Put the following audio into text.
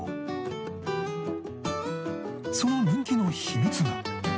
その人気の秘密が